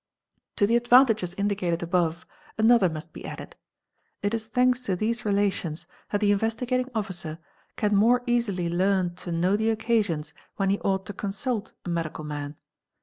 To the advantages indicated — above, another must be added; it is thanks to these relations that the — Investigating Officer can more easily learn to know the occasions when he — ought to consult a medical man.